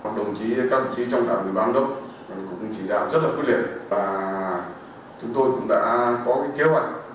các đồng chí các đồng chí trong đảng người bán đốc cũng chỉ đạo rất là quyết liệt và chúng tôi cũng đã có cái kế hoạch